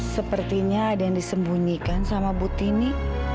sepertinya ada yang disembunyikan sama butini